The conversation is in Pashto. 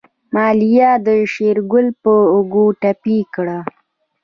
ماريا د شېرګل په اوږه ټپي کړه.